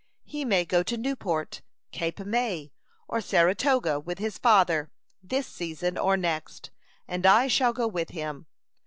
He may go to Newport, Cape May, or Saratoga, with his father, this season or next, and I shall go with him.